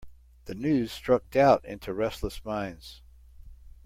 The news struck doubt into restless minds.